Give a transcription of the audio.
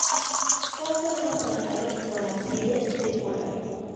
Consta de una sola nave y con ábside circular.